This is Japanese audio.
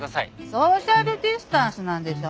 ソーシャルディスタンスなんでしょ？